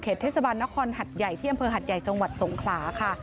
เทศบาลนครหัดใหญ่ที่อำเภอหัดใหญ่จังหวัดสงขลาค่ะ